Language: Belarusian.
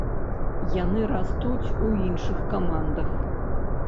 Яны растуць у іншых камандах.